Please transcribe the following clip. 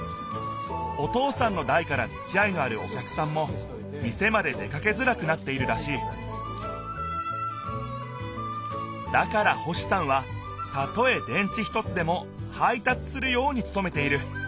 お父さんのだいからつきあいのあるお客さんも店まで出かけづらくなっているらしいだから星さんはたとえ電池一つでも配達するようにつとめている。